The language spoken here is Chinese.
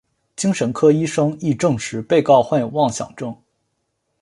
精神科医生亦证实被告患有妄想症。